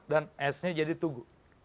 jadi dipenggal por dan esnya jadi tugu